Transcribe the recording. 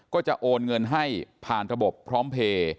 ก็จะโอนเงินให้ผ่านระบบพร้อมเพลย์